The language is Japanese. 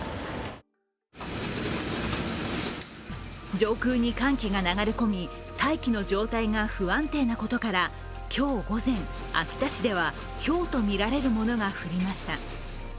上空に寒気が流れ込み、大気の状態が不安定なことから、今日午前、秋田市ではひょうとみられるものが降りました。